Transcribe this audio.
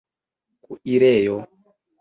kuirejo